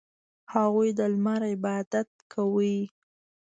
• هغوی د لمر عبادت کاوه.